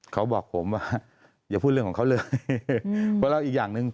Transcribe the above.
เขาบอกผมว่า